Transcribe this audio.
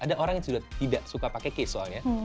ada orang yang sudah tidak suka pakai case soalnya